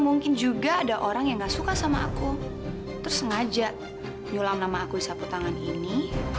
mungkin juga ada orang yang gak suka sama aku tersengaja nyulam nama aku sabu tangan ini